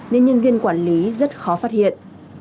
nên nhân viên quản lý rất khó phát hiện